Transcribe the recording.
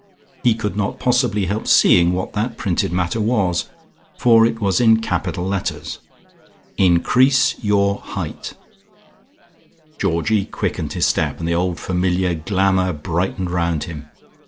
He could not possibly help seeing what that printed matter was, for it was in capital letters: INCREASE YOUR HEIGHT Georgie quickened his step, and the old familiar glamour brightened round him.